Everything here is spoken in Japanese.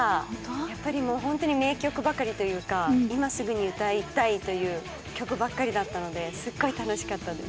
やっぱりもう本当に名曲ばかりというか今すぐに歌いたいという曲ばっかりだったのですっごい楽しかったです。